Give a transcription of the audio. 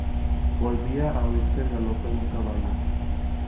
volvía a oírse el galope de un caballo.